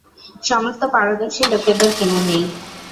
সমস্ত পারদর্শী লোকেদের কিনে নেয়।